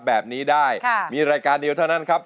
แบบนี้ได้มีรายการเดียวเท่านั้นครับ